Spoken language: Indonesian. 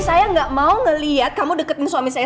saya gak mau ngeliat kamu deketin suami saya